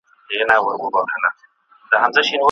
هم نسترن هم یې چینار ښکلی دی